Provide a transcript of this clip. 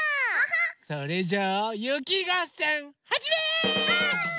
それじゃあゆきがっせんはじめ！